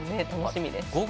楽しみです。